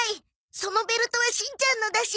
そのベルトはしんちゃんのだし。